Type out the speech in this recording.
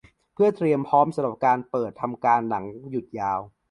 เพื่อเตรียมพร้อมสำหรับการเปิดทำการหลังหยุดยาว